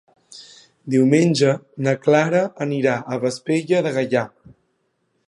Diumenge na Clara anirà a Vespella de Gaià.